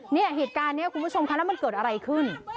เนี่ยเหตุการณ์นี้คุณผู้ชมคะแล้วมันเกิดอะไรขึ้น